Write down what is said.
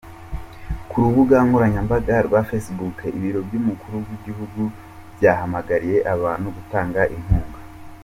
Ku rubuga nkoranyambaga rwa Facebook, ibiro by'umukuru w'igihugu byahamagariye abantu gutanga inkunga.